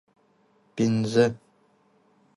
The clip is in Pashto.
پنځه